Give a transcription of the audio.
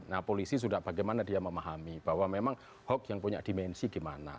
nah polisi sudah bagaimana dia memahami bahwa memang hoax yang punya dimensi gimana